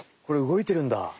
これ動いてるんだ。